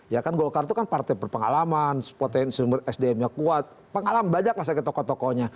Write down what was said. ya kan golkar itu kan partai berpengalaman potensi sdmnya kuat pengalam banyak lah sekitar tokoh tokohnya